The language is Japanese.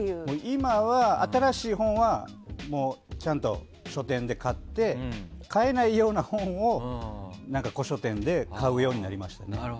今は、新しい本はちゃんと書店で買って買えないような本を古書店で買うようになりましたね。